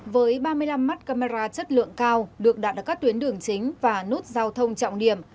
với ba mươi năm mắt camera chất lượng cao được đặt ở các tuyến đường chính và nút giao thông trọng điểm